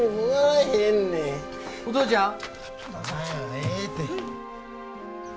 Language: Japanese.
ええて。